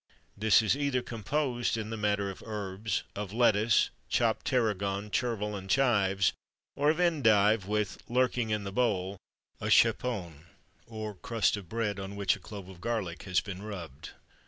This is either composed, in the matter of herbs, of lettuce, chopped taragon, chervil, and chives; or of endive, with, "lurking in the bowl," a chapon, or crust of bread on which a clove of garlic has been rubbed.